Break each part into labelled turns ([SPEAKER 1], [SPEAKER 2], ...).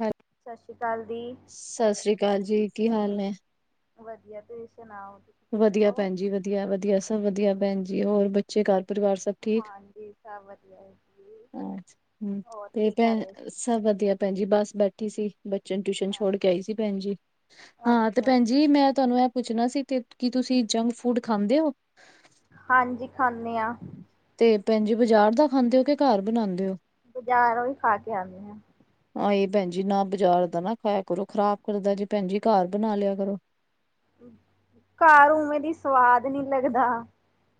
[SPEAKER 1] ਹੈ
[SPEAKER 2] ਸਤਿ ਸ਼੍ਰੀ ਅਕਾਲ ਦੀ।
[SPEAKER 1] ਸਤਿ ਸ੍ਰੀ ਅਕਾਲ ਜੀ, ਕੀ ਹਾਲ ਨੇ?
[SPEAKER 2] ਵਧੀਆ ਤੁਸੀਂ ਸੁਣਾਓ। ਠੀਕ
[SPEAKER 1] ਵਧੀਆ
[SPEAKER 2] ਹੋ?
[SPEAKER 1] ਭੈਣ ਜੀ ਵਧੀਆ ਵਧੀਆ ਸਭ ਵਧੀਆ ਭੈਣ ਜੀ ਹੋਰ ਬੱਚੇ ਘਰ ਪਰਿਵਾਰ ਸ
[SPEAKER 2] ਹਾਂਜੀ, ਸਭ ਵਧੀਆ ਜੀ
[SPEAKER 1] ਹਮ
[SPEAKER 2] ਹੋਰ
[SPEAKER 1] ਤੇ
[SPEAKER 2] ਕੀ ਕਰ
[SPEAKER 1] ਭੈਣ
[SPEAKER 2] ਰਹੇ ਸੀ?
[SPEAKER 1] ਸਭ ਵਧੀਆ ਭੈਣ ਜੀ ਬਸ ਬੈਠੀ ਸੀ। ਬੱਚਿਆ ਨੂੰ ਟਿਊਸ਼ਨ ਛੋੜ ਕੇ ਆਈ ਸੀ ਭੈਣ ਜੀ, ਹਾਂ ਤੇ
[SPEAKER 2] ਅੱਛਾ
[SPEAKER 1] ਭੈਣ ਜੀ ਮੈਂ ਤੁਹਾਨੂੰ ਇਹ ਪੁੱਛਣਾ ਸੀ ਤੇ ਕੀ ਤੁਸੀਂ ਜੰਕ ਫੂਡ ਖਾਂਦੇ ਹੋ?
[SPEAKER 2] ਹਾਂਜੀ, ਖਾਣੇ ਆ।
[SPEAKER 1] ਤੇ ਭੈਣ ਜੀ ਬਾਜ਼ਾਰ ਦਾ ਖਾਂਦੇ ਹੋ ਕਿ ਘਰ ਬਣਾਦੇ ਹੋ?
[SPEAKER 2] ਬਾਜ਼ਾਰੋ ਹੀ ਖਾ ਕੇ ਆਣੇ ਹਾਂ।
[SPEAKER 1] ਹਾਏ ਭੈਣ ਜੀ ਨਾ ਬਾਜ਼ਾਰ ਦਾ ਨਾ ਖਾਇਆ ਕਰੋ, ਖ਼ਰਾਬ ਕਰਦਾ ਜੇ ਭੈਣ ਜੀ ਘਰ ਬਣਾ ਲਿਆ ਕਰੋ।
[SPEAKER 2] ਘਰ ਉਵੇਂ ਦੀ ਸਵਾਦ ਨੀ ਲੱਗਦਾ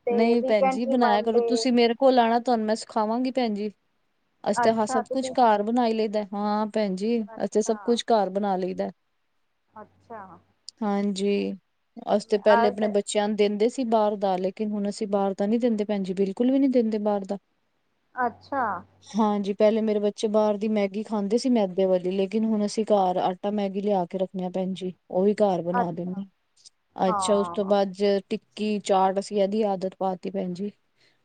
[SPEAKER 2] ਤੇ
[SPEAKER 1] ਨਹੀਂ ਭੈਣ
[SPEAKER 2] ਵੀਕੇਂਡ
[SPEAKER 1] ਜੀ
[SPEAKER 2] ਚ
[SPEAKER 1] ਬਣਾਇਆ ਕਰੋ
[SPEAKER 2] ਬਾਣਦੇ
[SPEAKER 1] ਤੁਸੀਂ ਮੇਰੇ ਕੋਲ ਆਣਾ ਤੁਹਾਨੂੰ ਮੈਂ ਸਿਖਾਵਾਂਗੀ ਭੈਣ ਜੀ, ਅਸੀਂ ਤਾਂ ਹਾਂ
[SPEAKER 2] ਅੱਛਾ
[SPEAKER 1] ਸਭ ਕੁਛ
[SPEAKER 2] ਤੁਸੀਂ
[SPEAKER 1] ਘਰ ਬਣਾਈ ਲਈ ਦੇ ਹਾਂ। ਭੈਣ ਜੀ ਅਸੀ ਤੇ ਸਭ
[SPEAKER 2] ਅੱਛਾ
[SPEAKER 1] ਕੁਛ ਘਰ ਬਣਾ ਲਈ ਦਾ।
[SPEAKER 2] ਅੱਛਾ।
[SPEAKER 1] ਹਾਂਜੀ, ਅਸੀ ਤੇ ਪਹਿਲੇ ਆਪਣੇ
[SPEAKER 2] ਅ
[SPEAKER 1] ਬੱਚਿਆਂ ਨੂੰ ਦਿੰਦੇ ਸੀ ਬਾਹਰ ਦਾ, ਲੇਕਿ ਲੇਕਿਨ ਹੁਣ ਅਸੀਂ ਬਾਹਰ ਦਾ ਨੀ ਦਿੰਦੇ ਭੈਣ ਜੀ ਬਿਲਕੁਲ ਵੀ ਨਹੀਂ ਦਿੰਦੇ ਬਾਹਰ ਦਾ।
[SPEAKER 2] ਅੱਛਾ।
[SPEAKER 1] ਹਾਂਜੀ ਪੈਲੇ ਮੇਰੇ ਬੱਚੇ ਬਾਰ ਦੀ ਮੈਗੀ ਖਾਂਦੇ ਸੀ ਮੈਦੇ ਵਾਲੀ ਲੇਕਿਨ ਹੁਨ ਅਸੀਂ ਘਰ ਆ ਟਾ ਮੈਗੀ ਲਿਆ ਕੇ ਰੱਖਨੇ ਆ ਭੈਨ ਜੀ। ਓ ਵੀ ਘਰ ਬਨਾ
[SPEAKER 2] ਅੱਛਾ
[SPEAKER 1] ਦਿੰਦੇ, ਅੱਛਾ ਉਸ ਤੋਂ
[SPEAKER 2] ਹਾਂ
[SPEAKER 1] ਬਾਦ ਜ ਟਿੱਕੀ, ਚਾਟ ਦੀ ਏਦੀ ਆਦਤ ਪਾਤੀ ਭੈਨ ਜੀ,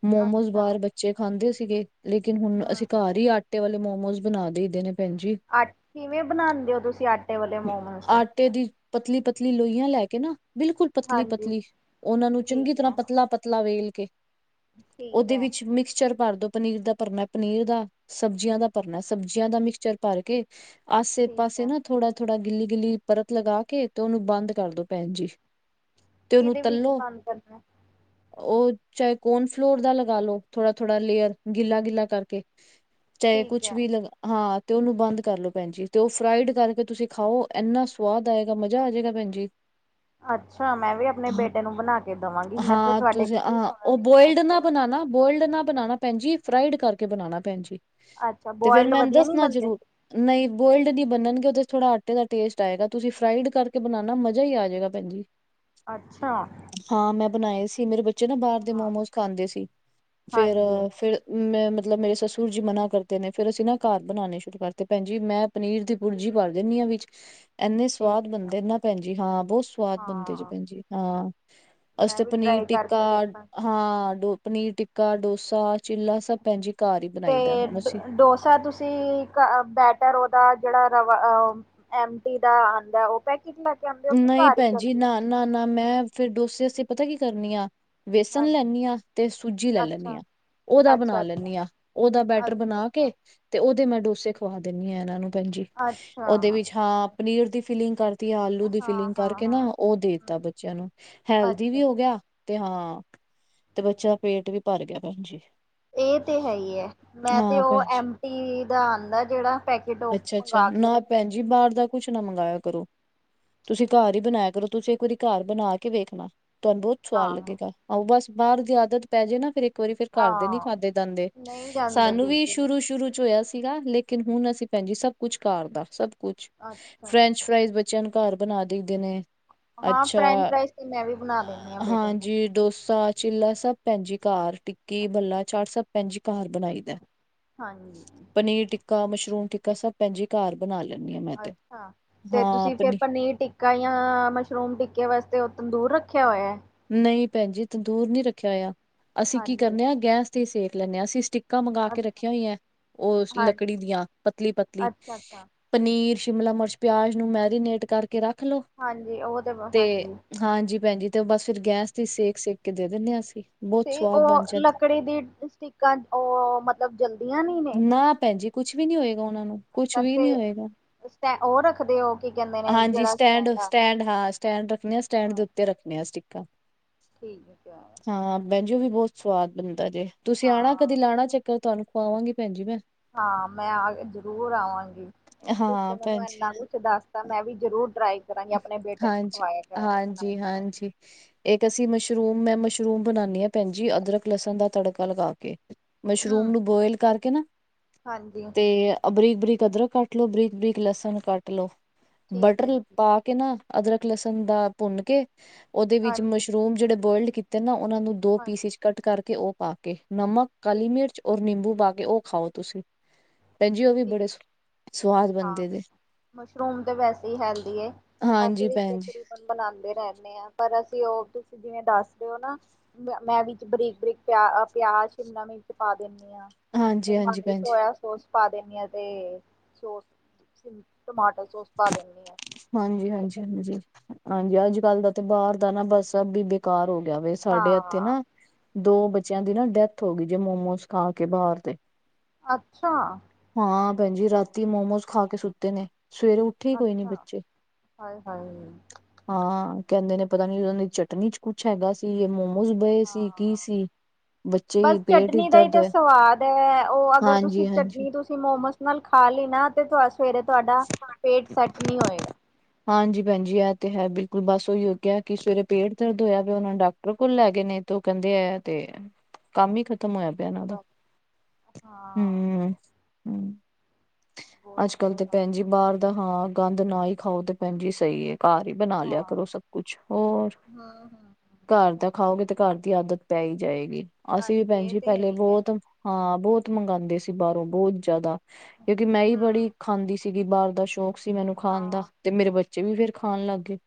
[SPEAKER 1] ਮੋਮੋਜ਼
[SPEAKER 2] ਅੱਛਾ
[SPEAKER 1] ਬਾਰ ਬੱਚੇ ਖਾਂਦੇ ਸੀਗੇ। ਲੇਕਿਨ ਹੁਨ
[SPEAKER 2] ਹਮ
[SPEAKER 1] ਅਸੀਂ ਘਰ ਈ ਆਟੇ ਵਾਲੇ ਮੋਮੋਜ਼ ਬਨਾ ਦੇਈਦੇ ਨੇ ਭੈਨ ਜੀ।
[SPEAKER 2] ਆਟ ਕਿਵੇਂ ਬਨਾਂਦੇ ਓਂ ਤੁਸੀਂ ਆਟੇ ਵਾਲੇ ਮੋਮੋਸ।
[SPEAKER 1] ਆਟੇ ਦੀ ਪਤਲੀ-ਪਤਲੀ ਲੋਈਆਂ ਲੈ ਕੇ ਨਾ ਬਿਲਕੁਲ
[SPEAKER 2] ਹਾਂਜੀ
[SPEAKER 1] ਪਤਲੀ-ਪਤਲੀ ਓਨਾਂ ਨੂੰ ਚੰਗੀ
[SPEAKER 2] ਠੀਕ
[SPEAKER 1] ਤਰਾਂ
[SPEAKER 2] ਹੈ,
[SPEAKER 1] ਪਤਲਾ-ਪਤਲਾ ਵੇਲ ਕੇ
[SPEAKER 2] ਠੀਕ
[SPEAKER 1] ਓਦੇ
[SPEAKER 2] ਹੈ,
[SPEAKER 1] ਵਿੱਚ ਮਿਕਸਚਰ ਭਰ ਦੋ। ਪਨੀਰ ਦਾ ਭਰਨਾ ਪਨੀਰ ਦਾ, ਸਬਜ਼ੀਆਂ ਦਾ ਭਰਨਾ ਸਬਜ਼ੀਆਂ ਦਾ ਮਿਕਸਚਰ ਭਰ ਕੇ ਆਸੇ
[SPEAKER 2] ਠੀਕ
[SPEAKER 1] ਪਾਸੇ
[SPEAKER 2] ਹੈ।
[SPEAKER 1] ਨਾ ਥੋੜਾ ਥੋੜਾ ਗਿੱਲੀ-ਗਿੱਲੀ ਪਰਤ ਲਗਾ ਕੇ ਤੇ ਓਨੂੰ ਬੰਦ ਕਰਦੋ ਭੈਨ ਜੀ।
[SPEAKER 2] ਕਿਦੇ ਵਿਚ ਬੰਦ ਕਰਨਾ।
[SPEAKER 1] ਓ ਚਾਏ ਕੋਨ ਫਲੋਰ ਦਾ ਲਗਾ ਲੋ ਥੋੜਾ-ਥੋੜਾ ਲੇਅਰ ਗਿੱਲਾ-ਗਿੱਲਾ ਕਰਕੇ ਚਾਏ
[SPEAKER 2] ਠੀਕ
[SPEAKER 1] ਕੁੱਛ
[SPEAKER 2] ਹੈ।
[SPEAKER 1] ਵੀ ਲਗਾ ਹਾਂ ਤੇ ਓਨੂੰ ਬੰਦ ਕਰ ਲੋ ਭੈਨ ਜੀ ਤੇ ਓ ਫਰਾਈਡ ਕਰਕੇ ਤੁਸੀਂ ਖਾਓ ਐਨਾ ਸਵਾਦ ਤਾਈਂ ਤਾਂ ਮਜ਼ਾ ਆਜੇਗਾ ਭੈਨ ਜੀ।
[SPEAKER 2] ਅੱਛਾ, ਮੈਂ ਵੀ ਆਪਨੇ
[SPEAKER 1] ਹਾਂ
[SPEAKER 2] ਬੇਟੇ ਨੂੰ ਬਨਾ ਕੇ ਦੇਵਾਂਗੀ, ਮੈਂ ਤੇ
[SPEAKER 1] ਹਾਂ
[SPEAKER 2] ਤੁਹਾਡੇ
[SPEAKER 1] ਤੁਸੀਂ
[SPEAKER 2] ਕੋਲ ਹੀ
[SPEAKER 1] ਹਾਂ
[SPEAKER 2] ਸੁਣ
[SPEAKER 1] ਓ
[SPEAKER 2] ਰਹੀ ਹਾਂ
[SPEAKER 1] ਬੋਇਲਡ
[SPEAKER 2] ਅਟੇ
[SPEAKER 1] ਨਾ
[SPEAKER 2] ਵਾਲੀ।
[SPEAKER 1] ਬਨਾਨਾ ਬੋਇਲਡ ਨਾ ਬਨਾਨਾ ਭੈਨ ਜੀ ਫਰਾਈਡ ਕਰਕੇ ਬਨਾਨਾ ਭੈਨ ਜੀ
[SPEAKER 2] ਅੱਛਾ,
[SPEAKER 1] ਤੇ ਫੇਰ
[SPEAKER 2] ਬੋਇਲਡ
[SPEAKER 1] ਮੈਨੂੰ
[SPEAKER 2] ਵਧੀਆ ਨੀ
[SPEAKER 1] ਦੱਸਨਾ
[SPEAKER 2] ਬਣਦੇ,
[SPEAKER 1] ਜ਼ਰੂਰ। ਨਈਂ ਬੋਇਲਡ ਨੀ ਬਨਨਗੇ ਓਦੇ ਥੋੜਾ ਆਟੇ ਦਾ ਟੇਸਟ ਆਏਗਾ ਤੁਸੀਂ ਫਰਾਈਡ ਕਰਕੇ ਬਨਾਨਾ ਮਜ਼ਾ ਈ ਆਜੇਗਾ। ਭੈਨ ਜੀ।
[SPEAKER 2] ਅੱਛਾ,
[SPEAKER 1] ਹਾਂ ਮੈਂ ਬਨਾਏ ਸੀ ਮੇਰੇ ਬੱਚੇ ਨਾ ਬਾਰ ਦੇ
[SPEAKER 2] ਹਾਂ,
[SPEAKER 1] ਮੋਮੋਸ ਖਾਂਦੇ ਸੀ, ਫੇਰ
[SPEAKER 2] ਹਾਂਜੀ।
[SPEAKER 1] ਅਅ ਫੇਰ ਮੈਂ ਮਤਲਬ ਮੇਰੇ ਸਸੁਰ ਜੀ ਮਨਾ ਕਰਦੇ ਨੇ ਫੇਰ ਅਸੀਂ ਨਾ ਘਰ ਬਨਾਨੇ ਸ਼ੁਰੂ ਕਰਤੇ ਭੈਨ ਜੀ ਮੈਂ ਪਨੀਰ ਦੀ ਭੁਰਜੀ ਪਾ ਦਿੰਨੀ ਆਂ ਵਿੱਚ। ਐਨੇ ਸਵਾਦ
[SPEAKER 2] ਠੀਕ ਹੈ,
[SPEAKER 1] ਬਨਦੇ ਨਾ ਭੈਨ ਜੀ ਹਾਂ ਬਹੁ ਸਵਾਦ ਬਨਦੇ ਨੇ
[SPEAKER 2] ਹਾਂ,
[SPEAKER 1] ਭੈਨ ਜੀ ਹਾਂ। ਅਸੀ
[SPEAKER 2] ਮੈਂ
[SPEAKER 1] ਤਾਂ
[SPEAKER 2] ਵੀ
[SPEAKER 1] ਪਨੀਰ
[SPEAKER 2] ਟਰਾਈ
[SPEAKER 1] ਟਿੱਕਾ
[SPEAKER 2] ਕਰਕੇ ਦੇਖਾਂਗੀ।
[SPEAKER 1] ਹਾਂ ਡੋ ਪਨੀਰ ਟਿੱਕਾ, ਡੋਸਾ ਚਿੱਲਾ ਸ
[SPEAKER 2] ਤੇ ਡ ਡੋਸਾ ਤੁਸੀਂ ਘ ਅ ਬੈਟਰ ਓਦਾ ਜੇੜਾ ਰਵਾ ਓ ਐਮ ਡੀ ਦਾ ਆ ਆਂਦਾ ਓ ਬੈ ਕਿਥੋਂ ਲੈ ਕੇ ਆਂਦੇ ਓਂ ਕੀ ਘਰ ਈ ਕਰਦੀ ਓਂ?
[SPEAKER 1] ਨਾ-ਨਾ ਮੈਂ ਫਿਰ ਡੋਸੇ ਅਸੀ ਪਤਾ ਕੀ ਕਰਨੀ ਆਂ ਵੇਸਨ
[SPEAKER 2] ਹਾਂਜੀ,
[SPEAKER 1] ਲੈਂਨੀ ਆਂ ਤੇ ਸੂਜੀ ਲੈ ਲੈਂਨੀ
[SPEAKER 2] ਅੱਛਾ,
[SPEAKER 1] ਆਂ। ਓਦਾ ਬਨਾ
[SPEAKER 2] ਅੱਛਾ, ਅੱਛਾ,
[SPEAKER 1] ਲੈਂਨੀ ਆਂ ਓਦਾ ਬੈਟਰ
[SPEAKER 2] ਅੱਛਾ,
[SPEAKER 1] ਬਨਾ
[SPEAKER 2] ਅੱਛਾ।
[SPEAKER 1] ਕੇ ਤੇ ਓਦੇ ਮੈਂ ਡੋਸੇ ਖਵਾ ਦਿੰਨੀ ਆ ਏਨਾਂ ਨੂੰ ਭੈਨ ਜੀ
[SPEAKER 2] ਅੱਛਾ
[SPEAKER 1] ਓਦੇ ਵਿੱਚ ਹਾਂ ਪਨੀਰ ਦੀ ਫਿਲਿੰਗ ਕਰਦੀ ਆ। ਆਲੂ ਦੀ
[SPEAKER 2] ਹਾਂ
[SPEAKER 1] ਫਿਲਿੰਗ
[SPEAKER 2] ਹਾਂ
[SPEAKER 1] ਕਰਕੇ ਨਾ
[SPEAKER 2] ਹਾਂ
[SPEAKER 1] ਓ ਦੇਤਾ ਬੱਚੇਆਂ ਨੂੰ ਹੈਲਦੀ ਵੀ
[SPEAKER 2] ਅੱਛਾ
[SPEAKER 1] ਹੋ ਗੇਆ ਤੇ ਹਾਂ ਤੇ ਬੱਚੇਆਂ ਦਾ ਪੇਟ ਵੀ ਭਰ ਗੇਆ ਭੈਨ ਜੀ।
[SPEAKER 2] ਏ ਤੇ ਹੈ ਈ ਐ ਮੈਂ ਤੇ
[SPEAKER 1] ਹਾਂ
[SPEAKER 2] ਓ
[SPEAKER 1] ਭੈਣ
[SPEAKER 2] ਐਮ ਟੀ ਦਾ ਆਂਦਾ ਜੇੜਾ ਪੈਕੇਟ ਓ
[SPEAKER 1] ਅੱਛਾ ਨਾ ਭੈਨ ਜੀ ਬਾਰ ਦਾ ਕੁਛ ਨਾ ਮੰਗਾਏਆ ਕਰੋ। ਤੁਸੀਂ ਘਰ ਈ ਬਨਾਏਆ ਕਰੋ ਤੁਸੀਂ ਇੱਕ ਵਾਰੀ ਘਰ ਬਨਾ ਕੇ ਵੇਖਨਾ ਤੁਆਨੂੰ ਬੋਤ
[SPEAKER 2] ਹਾਂ
[SPEAKER 1] ਸਵਾਦ ਲੱਗੇਗਾ। ਆਹੋ ਬਸ ਬਾਰ ਦੀ ਆਦਤ ਪੈ ਜੇ ਨਾ ਫਿਰ ਇੱਕ ਇੱਕ ਵਾਰੀ ਫਿਰ
[SPEAKER 2] ਹਾਂ
[SPEAKER 1] ਘਰਦੇ ਨੀ
[SPEAKER 2] ਹਾਂ,
[SPEAKER 1] ਖਾਦੇ ਜਾਂਦੇ
[SPEAKER 2] ਨਹੀਂ ਜਾਂਦੇ
[SPEAKER 1] ਸਾਨੂੰ ਵੀ
[SPEAKER 2] ਬਿਲਕੁਲ
[SPEAKER 1] ਸ਼ੁਰੂ-ਸ਼ੁਰੂ ਚ ਹੋਏਆ ਸੀਗਾ ਲੇਕ ਲੇਕਿਨ ਹੁਨ ਅਸੀਂ ਭੈਨ ਜੀ ਸਬ ਕੁਝ ਘਰ ਦਾ ਸਭ ਕੁਛ
[SPEAKER 2] ਅੱਛਾ
[SPEAKER 1] ਫਰੈਂਚ
[SPEAKER 2] ਜੀ,
[SPEAKER 1] ਫਰਾਇਜ ਬੱ ਬੱਚੇਆਂ ਨੂੰ ਘਰ ਬਨਾ ਦਈਦੇ ਨੇ।
[SPEAKER 2] ਹਾਂ
[SPEAKER 1] ਅੱਛਾ
[SPEAKER 2] ਫਰੈਂਚ ਫਰਾਈਜ਼ ਤੇ ਮੈਂ ਵੀ ਬਣਾ ਦਿੰਦੀ ਹਾਂ
[SPEAKER 1] ਅ
[SPEAKER 2] ਬੇਟੇ ਨੂੰ
[SPEAKER 1] ਹਾਂਜੀ ਡੋਸਾ ਚਿੱਲਾ ਸਭ ਪੈਣ ਜੀ ਕਾਰ ਟਿੱਕੀ, ਭਲਾ, ਚਾਟ ਸਭ ਪੈਣ ਜੀ ਕਾਰ ਬਣਾਈ ਦਾ।
[SPEAKER 2] ਹਾਂਜੀ।
[SPEAKER 1] ਪਨੀਰ ਟਿੱਕਾ, ਮਸ਼ਰੂਮ ਟਿੱਕਾ ਸਭ ਪੈਣ ਜੀ ਕਾਰ ਬਣਾ ਲੈਂਨੀ ਆ ਮੈਂ ਤੇ, ਹਾਂ। ਪਨੀਰ
[SPEAKER 2] ਕਾਈਆਂ ਮਸ਼ਰੂਮ ਟਿੱਕੇ ਵਾਸਤੇ ਓਹ ਤੰਦੂਰ ਰੱਖਿਆ ਹੋਯਾ ਐ?
[SPEAKER 1] ਨਈ ਪੈਣ ਜੀ ਤੰਦੂਰ ਨੀ ਰੱਖਿਆ ਹੋਯਾ, ਅਸੀਂ ਕੀ
[SPEAKER 2] ਹਾਂਜੀ
[SPEAKER 1] ਕਰਨੇ ਆ ਗੈਸ ਤੇ ਈ ਸੇਕ ਲੈਂਣੇ ਆ ਅਸੀਂ ਸਟਿਕ ਕਾਂ ਮੰਗਾ ਕੇ
[SPEAKER 2] ਅੱਛਾ
[SPEAKER 1] ਰੱਖੀਆਂ ਹੋਇਆ ਏ ਓਸ ਲੱਕੜੀ
[SPEAKER 2] ਹਾਂਜੀ
[SPEAKER 1] ਦੀਆਂ ਪਤਲੀ-ਪਤਲੀ
[SPEAKER 2] ਅੱਛਾ ਅੱਛਾ
[SPEAKER 1] ਪਨੀਰ, ਸ਼ਿਮਲਾ ਮਿਰਚ, ਪਆਜ ਨੂੰ ਮੈਰੀਨੇਟ ਕਰਕੇ ਰੱਖ ਲੋ,
[SPEAKER 2] ਹਾਂਜੀ ਉਹ
[SPEAKER 1] ਤੇ
[SPEAKER 2] ਹਾਂਜੀ
[SPEAKER 1] ਹਾਂਜੀ ਪੈਣ ਜੀ ਤੇ ਬਸ ਫੇਰ ਗੈਸ ਤੇ ਸੇਕ-ਸੇਕ ਕੇ ਦੇ ਦਿੰਦੇ ਆ ਅਸੀ।
[SPEAKER 2] ਤੇ ਓ ਲੱਕੜੀ ਦੀ ਸਟਿਕਾਂ ਓ ਮਤਲਬ ਜਲਦੀਆਂ ਨੀ? ਨੇ
[SPEAKER 1] ਨਾ ਪੈਣ ਜੀ ਕੁਛ ਵੀ ਨੀ ਹੋਏਗਾ ਓਨਾਂ ਨੂੰ, ਕੁਛ
[SPEAKER 2] ਅੱਛਾ
[SPEAKER 1] ਵੀ
[SPEAKER 2] ਤੇ
[SPEAKER 1] ਨੀ ਹੋਏਗਾ।
[SPEAKER 2] ਸਟੈ ਉਹ ਰੱਖਦੇ ਹੋ ਕੀ ਕਹਿੰਦੇ ਨੇ
[SPEAKER 1] ਹਾਂਜੀ
[SPEAKER 2] ਜਿਹੜਾ
[SPEAKER 1] ਸਟੈਂਡ,
[SPEAKER 2] ਆਂਦਾ
[SPEAKER 1] ਸਟੈਂਡ ਹਾਂ ਸਟੈਂਡ ਰੱਖਣੇ ਆ ਸਟੈਂਡ
[SPEAKER 2] ਹਾਂ
[SPEAKER 1] ਦੇ ਤੇ ਰੱਖਣੇ ਆ ਸਟਿੱਕਾਂ
[SPEAKER 2] ਠੀਕ ਕੇਆ
[SPEAKER 1] ਹਾਂ ਭੈਣ ਜੀ ਓ ਵੀ ਬੋਤ ਸਵਾਦ ਬਣਦਾ ਜੇ ਤੁਸੀਂ ਆਣਾ ਕਦੀ
[SPEAKER 2] ਹਾਂ
[SPEAKER 1] ਲਾਣਾ ਚੱਕਰ ਤੁਆਨੂੰ ਖਵਾਵਾਂਗੀ ਪੈਣ ਜੀ ਮੈ
[SPEAKER 2] ਹਾਂ ਮੈਂ ਆ ਜ਼ਰੂਰ ਆਵਾਂਗੀ, ਤੁਸੀ ਤੇ
[SPEAKER 1] ਹਾਂ ਭੈਣ
[SPEAKER 2] ਮੈਨੂੰ
[SPEAKER 1] ਜੀ।
[SPEAKER 2] ਏਨਾ ਕੁਛ ਦੱਸ ਤਾ ਮੈਂ ਵੀ ਜ਼ਰੂਰ ਟਰਾਈ ਕਰਾਂਗੀ ਆਪਣੇ ਬੇਟੇ ਨੂੰ ਖਵਾਇਆ ਕਰਾਂਗੇ ਬਣਾ-ਬਣਾ।
[SPEAKER 1] ਠੀਕ ਏਕ ਅਸੀ ਮਸ਼ਰੂਮ ਮੈਂ ਮਸ਼ਰੂਮ ਬਣਾਣੀ ਆ ਪੈਣ ਜੀ ਅਦਰਕ ਲਸਣ ਦਾ ਤੜਕਾ ਲਗਾ ਕੇ,
[SPEAKER 2] ਕੇ
[SPEAKER 1] ਮਸ਼ਰੂਮ
[SPEAKER 2] ਹੂੰ
[SPEAKER 1] ਨੂੰ ਬੋਇਲ ਕਰਕੇ ਨਾ
[SPEAKER 2] ਹਾਂਜੀ।
[SPEAKER 1] ਤੇ ਅ ਬਰੀਕ-ਬਰੀਕ ਅਦਰਕ ਕੱਟ ਲੋੋ ਬਰੀਕ-ਬਰੀਕ ਲਸਣ ਕੱਟ ਲੋੋ,
[SPEAKER 2] ਠੀਕ ਹੈ
[SPEAKER 1] ਬਟਰ
[SPEAKER 2] ਜੀ
[SPEAKER 1] ਪਾ ਕੇ ਨਾ ਅਦਰਕ, ਲਸਣ ਦਾ ਭੁੰਨ ਕੇ, ਓਦੇ ਵਿੱਚ
[SPEAKER 2] ਹਾਂਜੀ
[SPEAKER 1] ਮਸ਼ਰੂਮ ਜਿੜੇ ਬੋਇਲਡ ਕੀਤੇ ਤੇ ਨਾ ਓਨਾਂ ਨੂੰ ਦੋ ਪੀਸ
[SPEAKER 2] ਹਾਂਜੀ
[SPEAKER 1] ਇਚ ਕੱਟ ਕਰਕੇ ਓ ਪਾ ਕੇ ਨਮਕ, ਕਾਲੀ
[SPEAKER 2] ਠੀਕ
[SPEAKER 1] ਮਿਰਚ ਔਰ ਨਿੰਬੂ ਪਾ ਕੇ ਓ ਖਾਓ ਤੁਸੀ, ਪੈਨ ਜੀ ਓ ਵੀ
[SPEAKER 2] ਠੀਕ
[SPEAKER 1] ਬੜੇ ਸੁ ਸਵਾਦ
[SPEAKER 2] ਹਾਂ,
[SPEAKER 1] ਬਣਦੇ ਜੇ
[SPEAKER 2] ਮਸ਼ਰੂਮ ਤੇ ਵੈਸੇ ਈ ਹੈਲਦੀ ਏ, ਅਸੀ
[SPEAKER 1] ਹਾਂਜੀ
[SPEAKER 2] ਵੀ
[SPEAKER 1] ਭੈਣ
[SPEAKER 2] ਤਕ
[SPEAKER 1] ਜੀ,
[SPEAKER 2] ਰੀ ਬਨ ਬਣਾਦੇ ਰੈਂਣੇ ਆ ਪਰ ਅਸੀ ਓ ਤੁਸੀ ਜਿਵੇਂ ਦੱਸ ਰੇ ਓ ਨਾ ਮੈ ਮੈਂ ਵਿਚ ਬਰੀਕ-ਬਰੀਕ ਪਆ ਅ ਪਆਜ ਸ਼ਿਮਲਾ ਮਿਰਚ ਪਾ ਦਿੰਦੇ ਆ। ਤੇ
[SPEAKER 1] ਹਾਂਜੀ-ਹਾਂਜੀ
[SPEAKER 2] ਮਾੜੀ
[SPEAKER 1] ਭੈਣ ਜੀ।
[SPEAKER 2] ਸੋਯਾ ਸੋਸ ਪਾ ਦੇਣੀ ਆ ਤੇ ਸੋਸ, ਸਿਮ, ਟਮਾਟੋ ਸੋਸ ਪਾ ਦੇਣੀ ਆ।
[SPEAKER 1] ਹਾਂਜੀ-ਹਾਂਜੀ-ਹਾਂਜੀ, ਆਂਜੀ ਅੱਜ-ਕੱਲ ਦਾ ਤੇ ਬਾਰ ਦਾ ਨਾ ਬੱਸ ਸਬ ਈ ਬੇਕਾਰ ਹੋ ਗਿਯਾ ਵੇ। ਸਾਡੇ ਏਥੇ
[SPEAKER 2] ਹਾਂ,
[SPEAKER 1] ਨਾ, ਦੋ ਬੱਚਿਆਂ ਦੀ ਨਾ ਡੈਥ ਹੋ ਗਈ ਜੇ ਮੋਮੋਸ ਖਾ ਕੇ ਬਾਰ ਦੇ।
[SPEAKER 2] ਅੱਛਾ।
[SPEAKER 1] ਹਾਂ, ਪੈਣ ਜੀ ਰਾਤੀ ਮੋਮੋਸ ਖਾ ਕੇ ਸੁੱਤੇ ਨੇ, ਸਵੇਰੇ ੳੱਠੇ ਕੋਈ ਨੀ
[SPEAKER 2] ਅੱਛਾ,
[SPEAKER 1] ਬੱਚੇ।
[SPEAKER 2] ਹਾਏ-ਹਾਏ,
[SPEAKER 1] ਹਾਂ ਕੈਂਦੇ ਨੇ ਪਤਾ ਨੀ ਓਨਾਂ ਦੀ ਚਟਨੀ ਚ ਕੁਛ ਹੈਗਾ ਸੀ ਯਾਂ ਮੋਮੋ ਓਹੀ ਬਏ ਸੀ ਕੀ
[SPEAKER 2] ਹਾਂ।
[SPEAKER 1] ਸੀ? ਬੱਚੇ
[SPEAKER 2] ਬਸ
[SPEAKER 1] ਹੀ ਪੇਟ ਹੀ
[SPEAKER 2] ਚਟਨੀ ਦਾ ਈ
[SPEAKER 1] ਦਰਦ
[SPEAKER 2] ਤਾਂ
[SPEAKER 1] ਹੋਇਆ
[SPEAKER 2] ਸਵਾਦ ਐ, ਓ ਅਗਰ ਤੁਸੀਂ
[SPEAKER 1] ਹਾਂਜੀ ਹਾਂਜੀ
[SPEAKER 2] ਚਟਨੀ ਤੁ ਮੋਮੋਸ ਨਾਲ ਖਾ ਲੀ ਨਾ ਤੇ ਤੂਆ ਸਵੇਰੇ ਤੁਆਡਾ ਪੇਟ ਸੈਟ ਨੀ ਹੋਏਗਾ।
[SPEAKER 1] ਹਾਂਜੀ ਪੈਣ ਜੀ ਐ ਤੇ ਹੈ ਬਿਲਕੁਲ ਬਸ ਓਈ ਓ ਕੇਆ ਕਿ ਸਵੇਰੇ ਪੇਟ ਦਰਦ ਹੋਯਾ ਫੇ ਓਨਾਂ ਨੇ ਡਾਕ ਟਰ ਕੋਲ ਲੈਗੇ ਨੇ ਤੇ ਓ ਕੈਦੇ ਐ ਤੇ, ਕੰਮ ਈ ਖਤਮ ਹੋਯਾ ਪੈਣਾ ਦਾ,
[SPEAKER 2] ਬਸ ਹਾਂ
[SPEAKER 1] ਹੂੰ। ਅੱਜ-ਕੱਲ
[SPEAKER 2] ਬੋਲਦੇ
[SPEAKER 1] ਤੇ
[SPEAKER 2] ਹਨ।
[SPEAKER 1] ਪੈਨ ਜੀ ਬਾਰ ਦਾ ਹਾਂ ਗੰਦ ਨਾ ਈ ਖਾਓ ਤੇ ਪੈਨ ਜੀ ਸਈ ਏ। ਕਾਰ ਈ ਬਣਾ ਲਿਆ ਕਰੋ
[SPEAKER 2] ਹਾਂ
[SPEAKER 1] ਸਭ ਕੁਛ, ਹੋਰ।
[SPEAKER 2] ਹਮ ਹਮ
[SPEAKER 1] ਕੱਰ ਦਾ ਖਾਓਗੇ ਤੇ ਕੱਰ ਦੀ ਆਦਤ ਪੈ ਈ ਜਾਏਗੀ, ਅਸੀਂ ਵੀ
[SPEAKER 2] ਹਾਂਜੀ
[SPEAKER 1] ਪੈਨ
[SPEAKER 2] ਇਹ
[SPEAKER 1] ਜੀ
[SPEAKER 2] ਤੇ ਹੈ
[SPEAKER 1] ਪੈਲੇ
[SPEAKER 2] ਹੀ ਹੈ।
[SPEAKER 1] ਬੋਤ ਹਾਂ, ਬਹੁਤ ਮੰਗਉਂਦੇ ਸੀ ਬਾਹਰੋਂ, ਬਹੁਤ ਜ਼ਿਆਦਾ ਕਿਉਂਕਿ ਮੈਂ ਹੀ
[SPEAKER 2] ਹਮ
[SPEAKER 1] ਬੜੀ ਖਾਂਦੀ ਸੀ। ਸੀਗੀ, ਬਾਹਰ ਦਾ ਸ਼ੌਕ ਸੀ ਮੈਨੂੰ ਖਾਣ ਦਾ,
[SPEAKER 2] ਹਾਂ
[SPEAKER 1] ਤੇ ਮੇਰੇ ਬੱਚੇ ਵੀ ਫੇਰ ਖਾਣ ਲੱਗ ਗਏ,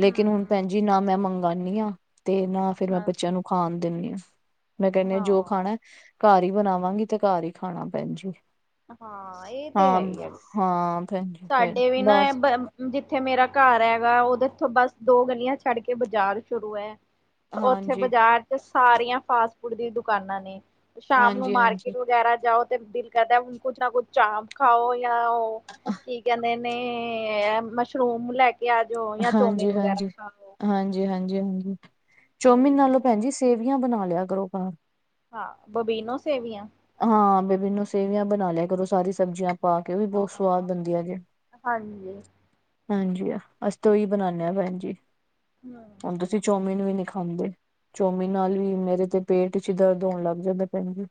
[SPEAKER 1] ਲੇਕਿਨ ਹੁਣ
[SPEAKER 2] ਹਮ
[SPEAKER 1] ਭੈਣਜੀ ਜੀ ਨਾ ਮੈਂ ਮੰਗਾਂਨੀ ਆ ਤੇ ਨਾ ਫੇਰ ਮੈਂ
[SPEAKER 2] ਹਾਂ
[SPEAKER 1] ਬੱਚਿਆਂ ਨੂੰ ਖਾਣ ਦਿੰਨੀਆ। ਮੈਂ ਕਹਿੰਨੀ ਆ ਜੋ
[SPEAKER 2] ਹਾਂ
[SPEAKER 1] ਖਾਣਾ ਘਰ ਹੀ ਬਣਾਵਾਂਗੀ ਤੇ ਘਰ ਹੀ ਖਾਣਾ ਭੈਣਜੀ।
[SPEAKER 2] ਹਾਂ ਇਹ ਤੇ ਹੈ ਹੀ ਹੈ,
[SPEAKER 1] ਹਾਂ ਭੈਣ ਜੀ ਫੇਰ
[SPEAKER 2] ਸਾਡੇ ਵੀ ਨਾ ਇਹ
[SPEAKER 1] ਬਸ
[SPEAKER 2] ਬ ਹੁਣ ਜਿੱਥੇ ਮੇਰਾ ਘਰ ਹੈਗਾ, ਉਹ ਤੇ ਇੱਥੋਂ ਬਸ ਦੋ ਗਲੀਆਂ ਛੱਡ ਕੇ ਬਾਜ਼ਾਰ ਹੀ ਸ਼ੁਰੂ ਹੈ। ਉੱਥੇ
[SPEAKER 1] ਹਾਂਜੀ,
[SPEAKER 2] ਬਾਜ਼ਾਰ ਚ ਸਾਰੀਆਂ ਫਾਸਟ ਫੂਡ ਦੀ ਦੁਕਾਨਾਂ ਨੇ। ਸ਼ਾਮ ਨੂੰ
[SPEAKER 1] ਹਾਂਜੀ, ਹਾਂਜੀ,
[SPEAKER 2] ਮਾਰਕੀਟ ਵਗੈਰਾ ਜਾਓ ਤੇ ਦਿਲ ਕਰਦਾ ਹੁਣ ਕੁੱਛ ਨਾ ਕੁੱਛ ਚ ਖਾਓ, ਜਾਂ ਉਹ ਕੀ ਕਹਿੰਦੇ ਨੇ ਮਸ਼ਰੂਮ ਲੈ ਕੇ ਪਿਆਜ ਜਾਂ
[SPEAKER 1] ਹਾਂਜੀ,
[SPEAKER 2] ਚੋਮੀਨ ਵਗੈਰਾ
[SPEAKER 1] ਹਾਂਜੀ।
[SPEAKER 2] ਖਾ
[SPEAKER 1] ਹਾਂਜੀ- ਹਾਂਜੀ -ਹਾਂਜੀ, ਚੌਮਿਨ ਨਾਲੋਂ ਭੈਣ ਜੀ ਸੇਵੀਆਂ ਬਣਾ ਲਿਆ ਕਰੋ ਘਰ।
[SPEAKER 2] ਹਾਂ ਬਬੀਨੋ ਸੇਵੀਆਂ।
[SPEAKER 1] ਹਾਂ, ਬਬੀਨੋ ਸੇਵੀਆਂ ਬਣਾ ਲਿਆ ਕਰੋ, ਸਾਰੀ ਸਬਜ਼ੀਆਂ ਪਾ ਕੇ, ਉਹ ਵੀ
[SPEAKER 2] ਹਾਂ
[SPEAKER 1] ਬਹੁਤ ਸਵਾਦ ਬਣਦੀਆਂ ਜੇ।
[SPEAKER 2] ਹਾਂਜੀ।
[SPEAKER 1] ਹਾਂਜੀ ਆ, ਅਸੀਂ ਤਾਂ ਉਹੀ ਬਣਾਉਨੇ ਆਂ ਭੈਣ ਜੀ।
[SPEAKER 2] ਹੂੰ।
[SPEAKER 1] ਹੁਣ ਤੇ ਅਸੀਂ ਚੌਮੀਨ ਵੀ ਨਹੀਂ ਖਾਂਦੇ। ਚੋਮੀਨ ਨਾਲ ਵੀ ਮੇਰੇ ਤੇ ਪੇਟ ਚ ਦਰਦ ਹੋਣ ਲੱਗ ਜਾਂਦਾ ਭੈਣ ਜੀ।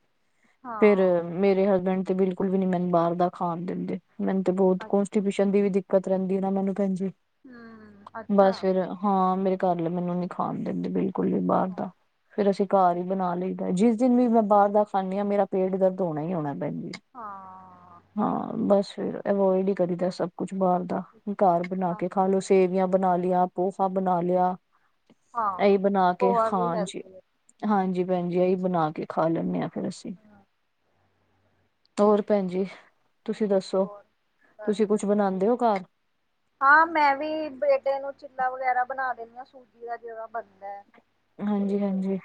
[SPEAKER 1] ਫੇਰ,
[SPEAKER 2] ਹਾਂ
[SPEAKER 1] ਮੇਰੇ ਹਸਬੈਂਡ ਤੇ ਬਿਲਕੁਲ ਵੀ ਨੀ ਮੈਨੂੰ ਬਾਹਰ ਦਾ ਖਾਣ ਦਿੰਦੇ। ਮੈਨੂੰ ਤੇ ਬਹੁਤ
[SPEAKER 2] ਅੱਛਾ
[SPEAKER 1] ਕੌਂਸਟੀ੍ਬਿਸ਼ਨ ਦੀ ਵੀ ਦਿੱਕਤ ਰਹਿੰਦੀ ਹੈ ਨਾ ਮੈਨੂੰ ਭੈਣਜੀ।
[SPEAKER 2] ਹੂੰ ਅੱਛਾ
[SPEAKER 1] ਬਸ ਫਿਰ, ਹਾਂ, ਮੇਰੇ ਘਰਲੇ ਮੈਨੂੰ ਨੀ ਖਾਣ ਦਿੰਦੇ ਬਈ। ਕੋਈ ਵੀ ਬਾਹਰ
[SPEAKER 2] ਹਾਂ
[SPEAKER 1] ਦਾ, ਫੇਰ ਅਸੀਂ ਘਰ ਹੀ ਬਣਾ ਲਈ ਮੈ ਜਿਸ ਦਿਨ ਵੀ ਮੈਂ ਬਾਹਰ ਦਾ ਖਾਂਨੀਂਆ, ਮੇਰਾ ਪੇਟ ਦਰਦ ਹੋਣਾ ਹੀ ਹੋਣਾ ਭੈਣਜੀ।
[SPEAKER 2] ਹਾਂ।
[SPEAKER 1] ਹਾਂ ਬਸ ਫਿਰ ਅਵੋਇਡ ਹੀ ਕਰੀਦਾ ਸਭ ਕੁਛ ਬਾਹਰ ਦਾ, ਘਰ ਬਣਾ
[SPEAKER 2] ਹਾਂ
[SPEAKER 1] ਕੇ ਖਾ ਲਓ। ਸੇਵੀਆਂ ਬਣਾ ਲੀਆਂ, ਪੋਹਾ ਬਣਾ ਲਿਆ,
[SPEAKER 2] ਹਾਂ
[SPEAKER 1] ਇਹੀ ਬਣਾ ਕੇ
[SPEAKER 2] ਪੋਹਾ ਵੀ
[SPEAKER 1] ਖਾਣ ਜੀ।
[SPEAKER 2] ਹੈਲਦੀ ਹੈ।
[SPEAKER 1] ਹਾਂਜੀ ਭੈਣਜੀ, ਐ ਹੀ ਬਣਾ ਕੇ ਖਾ ਲੈਂਦੇ ਹਾਂ ਫਿਰ ਅਸੀਂ। ਹੋਰ ਭੈਣ ਜੀ, ਤੁਸੀਂ ਦੱਸੋ?
[SPEAKER 2] ਹੋਰ ਬਸ
[SPEAKER 1] ਤੁਸੀਂ ਕੁਛ
[SPEAKER 2] ਵਧੀਆ ਤੁਸੀਂ
[SPEAKER 1] ਬਣਾਉਂਦੇ ਹੋ ਘਰ?
[SPEAKER 2] ਹਾਂ ਮੈਂ ਵੀ ਬੇਟੇ ਨੂੰ ਚਿੱਲਾ ਵਗੈਰਾ ਬਣਾ ਦਿੰਨੀ ਆਂ, ਸੂਜੀ ਦਾ ਜਿਹੜਾ ਬਣਦਾ ਹੈ।
[SPEAKER 1] ਹਾਂਜੀ-
[SPEAKER 2] ਤੇ
[SPEAKER 1] ਹਾਂਜੀ।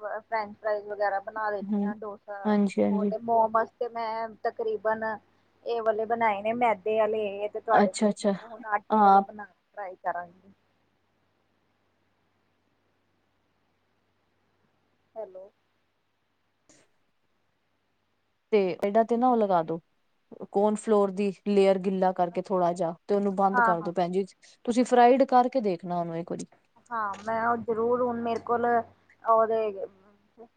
[SPEAKER 2] ਫਰੈਂਚ ਫਰਾਈਜ਼ ਵਗੈਰਾ ਬਣਾ ਲੈਂਦੀ
[SPEAKER 1] ਹਮ
[SPEAKER 2] ਹਾਂ, ਡੋਸਾ,
[SPEAKER 1] ਹਾਂਜੀ
[SPEAKER 2] ਹੋਰ
[SPEAKER 1] ਹਾਂਜੀ।
[SPEAKER 2] ਤੇ ਮੋਮਸ। ਤੇ ਮੈਂ ਤਕਰੀਬਨ ਇਹ ਵਾਲੇ ਬਣਾਏ ਨੇ ਮੈਦੇ ਵਾਲੇ, ਇਹ ਤੇ ਤੁਹਾਡੇ
[SPEAKER 1] ਅੱਛਾ
[SPEAKER 2] ਕੋਲ
[SPEAKER 1] ਅੱਛਾ
[SPEAKER 2] ਸੁਧ ਹੁਣ ਆਟੇ ਵਾਲੇ
[SPEAKER 1] ਹਾਂ
[SPEAKER 2] ਬਣਾ ਟਰਾਈ ਕਰਾਂਗੇ। ਹੈਲੋ।
[SPEAKER 1] ਤੇ ਇਹਨਾਂ ਤੇ ਨਾ ਉਹ ਲਗਾ ਦੋ, ਕੋਨ ਫਲੋਰ ਦੀ ਲੇਅਰ ਗਿੱਲਾਂ। ਕਰਕੇ ਥੋੜ੍ਹਾ ਜਿਹਾ ਤੇ ਉਹਨੂੰ ਬੰਦ
[SPEAKER 2] ਹਾਂ ਹਾਂ
[SPEAKER 1] ਕਰਦੋ ਭੈਣ ਜੀ, ਤੁਸੀਂ ਫਰਾਈਡ ਕਰਕੇ ਦੇਖਣਾ ਉਹਨੂੰ ਇੱਕ ਵਾਰੀ।
[SPEAKER 2] ਹਾਂ! ਮੈਂ ਉਹ ਜਰੂਰ ਹੁਣ ਮੇਰੇ ਕੋਲ ਉਹਦੇ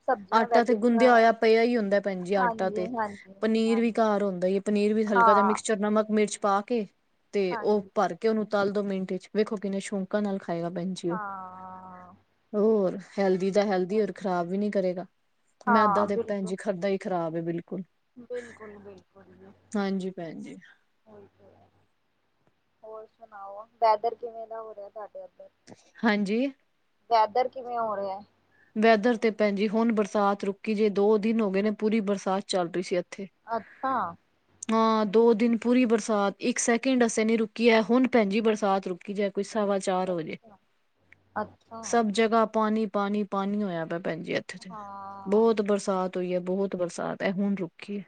[SPEAKER 2] ਸਬਜ਼ੀਆਂ
[SPEAKER 1] ਆਟਾ
[SPEAKER 2] ਵੈਜ
[SPEAKER 1] ਤੇ ਗੁੰਦਿਆ ਹੋਇਆ ਪਿਆ ਹੀ ਹੁੰਦਾ ਭੈਣ ਜੀ ਆਟਾ
[SPEAKER 2] ਹਾਂਜੀ
[SPEAKER 1] ਤੇ।
[SPEAKER 2] ਹਾਂਜੀ
[SPEAKER 1] ਪਨੀਰ ਵੀ
[SPEAKER 2] ਹਾਂਜੀ
[SPEAKER 1] ਘਰ ਹੁੰਦਾ ਹੀ ਹੈ ਪਨੀਰ ਵੀ
[SPEAKER 2] ਹਾਂ
[SPEAKER 1] ਹਲਕਾ ਜਿਹਾ ਮਿਕਸਚਰ ਨਮਕ, ਮਿਰਚ ਪਾ ਕੇ। ਤੇ ਉਹ
[SPEAKER 2] ਹਾਂਜੀ
[SPEAKER 1] ਭਰ ਕੇ ਉਹਨੂੰ ਤਲ ਦੋ ਮਿੰਟ 'ਚ ਵੇਖੋ ਕਿੰਨੇ ਸ਼ੌਕਾਂ ਨਾਲ ਖਾਏਗਾ ਭੈਨ ਜੀ ਉਹ।
[SPEAKER 2] ਹਾਂ
[SPEAKER 1] ਹੋਰ ਹੈਲਦੀ ਦਾ ਹੈਲਦੀ ਹੋਰ ਖ਼ਰਾਬ ਵੀ ਨੀ ਕਰੇ। ਮੈਦਾਂ
[SPEAKER 2] ਹਾਂ
[SPEAKER 1] ਤੇ ਭੈਣ
[SPEAKER 2] ਬਿਲਕੁਲ
[SPEAKER 1] ਜੀ ਖਾਂਦਾ ਹੀ ਖ਼ਰਾਬ ਹੈ ਬਿਲਕੁਲ।
[SPEAKER 2] ਬਿਲਕੁਲ! ਬਿਲਕੁਲ ਜੀ!
[SPEAKER 1] ਹਾਂਜੀ ਭੈਣ ਜੀ
[SPEAKER 2] ਹਾਂਜੀ! ਹੋਰ ਸੁਣਾਓ ਵੈਦਰ ਕਿਵੇਂ ਦਾ ਹੋ ਰਿਹਾ ਤੁਹਾਡੇ ਅੱਧਰ?
[SPEAKER 1] ਹਾਂਜੀ!
[SPEAKER 2] ਵੈਦਰ ਕਿਵੇਂ ਹੋ ਰਿਆ?
[SPEAKER 1] ਵੈਦਰ ਤੇ ਭੈਣਜੀ ਹੁਣ ਬਰਸਾਤ ਰੁਕੀ ਜੇ ਦੋ ਦਿਨ ਹੋ ਗਏ ਨੇ ਪੂਰੀ ਬਰਸਾਤ ਚੱਲ ਰਹੀ ਸੀ ਇੱਥੇ।
[SPEAKER 2] ਅੱਛਾ!
[SPEAKER 1] ਹਾਂ, ਦੋ ਦਿਨ ਪੂਰੀ ਬਰਸਾਤ ਇੱਕ ਸੈਕਿੰਡ ਵਾਸਤੇ ਨੀ ਰੁਕੀ ਹੈ ਹੁਣ ਭੈਣਜੀ ਬਰਸਾਤ ਰੁਕੀ। ਰੁਕੀ ਜਾਏ ਕੋਈ ਸਵਾ। ਚਾਰ ਵਜੇ
[SPEAKER 2] ਅੱਛਾ ਅੱਛਾ
[SPEAKER 1] ਸਭ ਜਗ੍ਹਾ ਪਾਣੀ ਪਾਣੀ ਪਾਣੀ ਹੋਇਆ ਪਿਆ ਭੈਣ ਜੀ ਇਥੇ।
[SPEAKER 2] ਹਾਂ
[SPEAKER 1] ਬਹੁਤ ਬਰਸਾਤ ਹੋਈ ਹੈ, ਬਹੁਤ ਬਰਸਾਤ ਹੈ ਐ ਹੁਣ ਰੁਕੀ ਏ।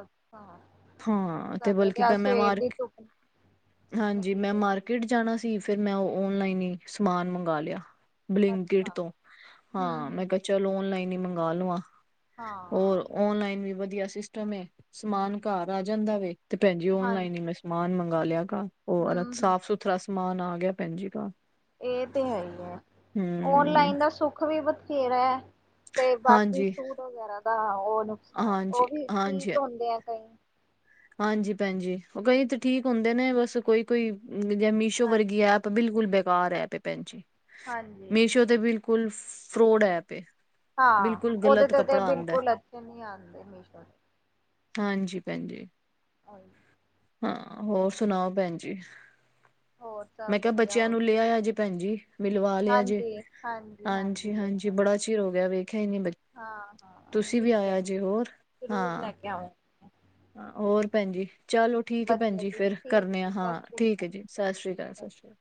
[SPEAKER 2] ਅੱਛਾ
[SPEAKER 1] ਹਾਂ, ਤੇ
[SPEAKER 2] ਸਾਡੇ
[SPEAKER 1] ਬਲਕਿ
[SPEAKER 2] ਅੱਜ
[SPEAKER 1] ਮੈਂ
[SPEAKER 2] ਸਵੇਰ ਦੀ
[SPEAKER 1] ਮਾਰਕੇ।
[SPEAKER 2] ਧੁੱਪ
[SPEAKER 1] ਹਾਂਜੀ, ਮੈਂ
[SPEAKER 2] ਨਿਕਲੀ
[SPEAKER 1] ਮਾਰ।
[SPEAKER 2] ਹੈ।
[SPEAKER 1] ਮਾਰਕਿਟ ਜਾਣਾ ਸੀ ਫਿਰ ਮੈਂ ਉਹ ਓਨਲਾਈਨ ਹੀ ਸਮਾਨ ਮੰਗਵਾ ਲਿਆ ਬਲਿੰਕਟ
[SPEAKER 2] ਅੱਛਾ
[SPEAKER 1] ਤੋਂ।
[SPEAKER 2] ਹੂੰ
[SPEAKER 1] ਹਾਂ,
[SPEAKER 2] ਹੂੰ
[SPEAKER 1] ਮੈਂ ਕਿਹਾ ਚੱਲ ਓਨਲਾਈਨ ਹੀ ਮੰਗਵਾ ਲਵਾ ਹੋਰ
[SPEAKER 2] ਹਾਂ
[SPEAKER 1] ਓਨਲਾਈਨ ਵੀ ਵਧੀਆ ਸੀ ਸਿਸਟਮ ਏ ਸਮਾਨ ਘਰ ਆ ਜਾਂਦਾ ਵੇ ਤੇ ਭੈਣਜੀ
[SPEAKER 2] ਹਾਂ
[SPEAKER 1] ਓਨਲਾਈਨ ਹੀ ਮੈਂ ਸਮਾਨ ਮੰਗਵਾ ਲਿਆ।
[SPEAKER 2] ਹੂੰ
[SPEAKER 1] ਹੋਰ
[SPEAKER 2] ਹੂੰ
[SPEAKER 1] ਸਾਫ਼- ਸੁਥਰਾ ਸਮਾਨ ਆ ਗਿਆ ਭੈਣ ਜੀ ਘਰ।
[SPEAKER 2] ਇਹ ਤੇ ਹੈ ਹੀ ਹੈ
[SPEAKER 1] ਹੂੰ
[SPEAKER 2] ਓਨਲਾਈਨ ਦਾ ਸੁੱਖ ਵੀ ਬਥੇਰਾ ਤੇ ਬਾਕੀ
[SPEAKER 1] ਹਾਂਜੀ
[SPEAKER 2] ਸੂਟ ਵਗੈਰਾ ਦਾ ਉਹ ਨੁਕਸਾਨ
[SPEAKER 1] ਹਾਂਜੀ
[SPEAKER 2] ਉਹ ਵੀ
[SPEAKER 1] ਹਾਂਜੀ
[SPEAKER 2] ਠੀਕ ਹੁੰਦੇ ਆ ਕਈ।
[SPEAKER 1] ਹਾਂਜੀ ਭੈਣਜੀ ਉਹ ਕਈ ਤਾਂ ਠੀਕ ਹੁੰਦੇ ਨੇ ਬਸ ਕੋਈ ਕੋਈ ਜਾਂ ਮੀਸ਼ੋ ਵਰਗੀ
[SPEAKER 2] ਹਾਂਜੀ
[SPEAKER 1] ਐਪ। ਬਿਲਕੁਲ, ਬੇਕਾਰ ਐਪ ਏ ਭੈਣ ਜੀ
[SPEAKER 2] ਹਾਂਜੀ
[SPEAKER 1] ਮੀਸ਼ੋ ਤੇ ਬਿਲਕੁਲ ਫਰੋਡ ਐਪ ਏ।
[SPEAKER 2] ਹਾਂ,
[SPEAKER 1] ਬਿਲਕੁਲ
[SPEAKER 2] ਉਹਦੇ
[SPEAKER 1] ਗਲਤ
[SPEAKER 2] ਤੇ ਤੇ
[SPEAKER 1] ਕੱਪੜਾ ਆਂਦਾ
[SPEAKER 2] ਬਿਲਕੁਲ ਅੱਛੇ ਨਹੀਂ ਆਉਂਦੇ ਮੀਸ਼ੋ ਤੇ।
[SPEAKER 1] ਹਾਂਜੀ ਭੈਣ ਜੀ
[SPEAKER 2] ਹੋਰ।
[SPEAKER 1] ਹਾਂ ਹੋਰ ਸੁਣਾਓ ਭੈਣ ਜੀ?
[SPEAKER 2] ਹੋਰ ਸਭ
[SPEAKER 1] ਮੈਂ ਕਿਹਾ
[SPEAKER 2] ਵਧੀਆ
[SPEAKER 1] ਬੱਚਿਆਂ
[SPEAKER 2] ਹੋਰ
[SPEAKER 1] ਨੂੰ
[SPEAKER 2] ਜੀ
[SPEAKER 1] ਲਿਆਇਆ ਜੇ ਭੈਣ ਜੀ ਮਿਲਵਾ ਲਿਆ ਜੇ
[SPEAKER 2] ਹਾਂਜੀ
[SPEAKER 1] ਹਾਂਜੀ
[SPEAKER 2] ਲੈ
[SPEAKER 1] ਹਾਂਜੀ
[SPEAKER 2] ਆਵਾਂਗੇ।
[SPEAKER 1] ਬੜਾ। ਚਿਰ ਹੋ ਗਿਆ ਵੇਖਿਆ ਨਈ ਬ
[SPEAKER 2] ਹਾਂ ਹਾਂ
[SPEAKER 1] ਤੁਸੀਂ ਵੀ
[SPEAKER 2] ਠੀਕ ਹੈ
[SPEAKER 1] ਆਇਆ ਜੇ
[SPEAKER 2] ਜੀ
[SPEAKER 1] ਹੋਰ
[SPEAKER 2] ਜ਼ਰੂਰ
[SPEAKER 1] ਹਾਂ।
[SPEAKER 2] ਲੈ ਕੇ ਆਵਾਂਗੇ
[SPEAKER 1] ਹਾਂ ਹੋਰ ਭੈਣ ਜੀ ਚਲੋ ਠੀਕ ਹੈ ਭੈਣ
[SPEAKER 2] ਵਧੀਆ
[SPEAKER 1] ਜੀ ਫੇਰ
[SPEAKER 2] ਠੀਕ
[SPEAKER 1] ਕਰਨੇ ਆ
[SPEAKER 2] ਜੀ
[SPEAKER 1] ਹਾਂ
[SPEAKER 2] ਸਤਿ ਸ਼੍ਰੀ
[SPEAKER 1] ਠੀਕ ਹੈ ਜੀ।
[SPEAKER 2] ਅਕਾਲ
[SPEAKER 1] ਸਤਿ ਸ੍ਰੀ ਅਕਾਲ, ਸਤਿ ਸ੍ਰੀ ਅਕਾਲ